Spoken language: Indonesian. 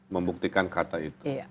membuktikan kata itu